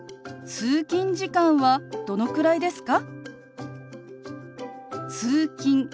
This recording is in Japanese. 通勤時間はどのくらいですか？